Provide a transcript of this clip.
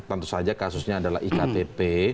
tentu saja kasusnya adalah iktp